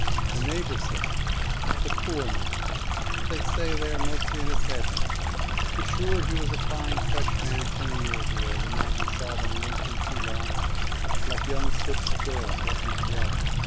A neighbour said, 'The poor man, they say they are mostly in his head now, but sure he was a fine fresh man twenty years ago the night he saw them linked in two lots, like young slips of girls walking together.